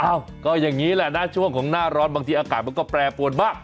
ก็อย่างนี้แหละนะช่วงของหน้าร้อนบางทีอากาศมันก็แปรปวนบ้าง